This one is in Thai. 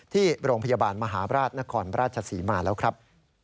ที่โรงพยาบาลมหาราชนครราชศรีมาแล้วครับ